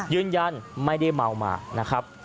ยืนยันไม่ได้เมามานะครับ